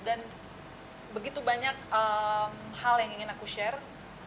dan begitu banyak hal yang ingin aku share